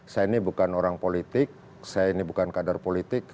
saya ini bukan orang politik saya ini bukan kader politik